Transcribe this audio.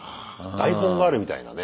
台本があるみたいなね。